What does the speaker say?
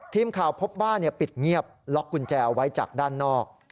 ทีมข่าวพบบ้านปิดเงียบล็อกกุญแจเอาไว้จากด้านนอก